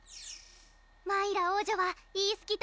マイラ王女はイースキ